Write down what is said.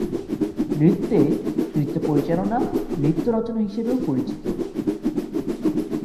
নৃত্যে, নৃত্য পরিচালনা "নৃত্য রচনা" হিসেবেও পরিচিত।